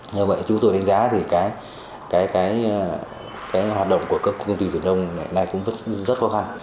như vậy chúng tôi đánh giá thì cái hoạt động của các công ty tuyển đông hiện nay cũng rất khó khăn